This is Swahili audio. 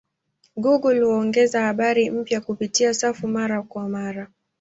Google huongeza habari mpya kupitia safu mara kwa mara.